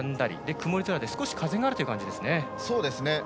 曇り空で少し風があるという感じですね。